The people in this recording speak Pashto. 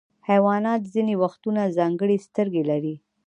حیوانات ځینې وختونه ځانګړي سترګې لري.